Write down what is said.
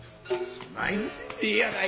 そないにせんでええやないか。